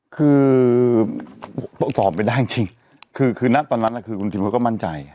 คือต้องตอบไปได้จริงคือนักตอนนั้นคือคุณทีมก็มั่นใจ